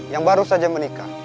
yang baru saja menikah